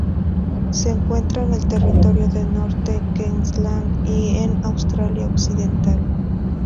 Se encuentra en el Territorio de Norte, Queensland y en Australia-Occidental.